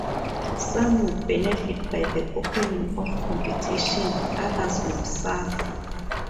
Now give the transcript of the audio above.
Some would benefit by the opening of competition; others would suffer.